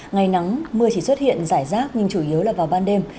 ngày nắng mưa chỉ xuất hiện rải rác nhưng chủ yếu là vào ban đêm